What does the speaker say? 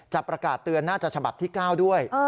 ประกาศเตือนน่าจะฉบับที่๙ด้วย